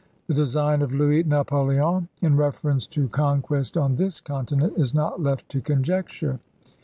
.. The design of Louis Napoleon in reference to conquest on this continent is not left to conjec ture.